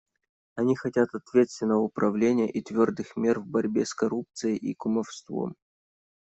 Они хотят ответственного управления и твердых мер в борьбе с коррупцией и кумовством.